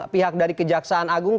pihak dari kejaksaan agung